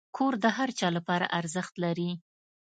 کور د هر چا لپاره ارزښت لري.